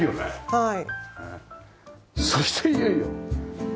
はい。